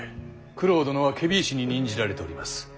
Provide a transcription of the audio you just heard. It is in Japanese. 九郎殿は検非違使に任じられております。